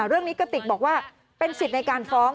เรื่องนี้กะติกบอกว่าเป็นสิทธิ์ในการฟ้อง